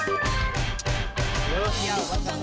bu kalau bu